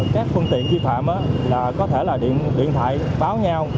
các phương tiện vi phạm là có thể là điện thoại báo nhau